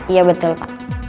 iya betul pak